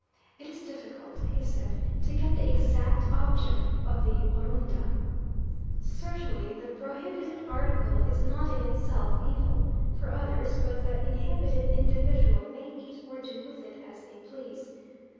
"It is difficult," he said, "to get the exact object of the 'Orunda.' Certainly the prohibited article is not in itself evil, for others but the inhibited individual may eat or do with it as they please.